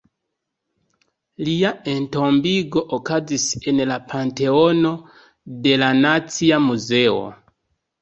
Lia entombigo okazis en la Panteono de la Nacia Muzeo.